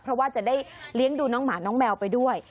เพราะว่าจะได้เลี้ยงดูน้องหมาน้องแมวไปด้วย